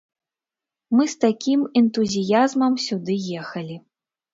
Мы з такім энтузіязмам сюды ехалі.